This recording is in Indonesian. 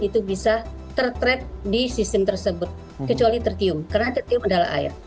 itu bisa tertret di sistem tersebut kecuali tritium karena tritium adalah air